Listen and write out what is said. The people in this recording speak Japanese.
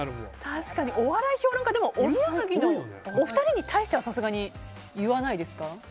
確かに、お笑い評論家はおぎやはぎのお二人に対してはさすがに言わないですか？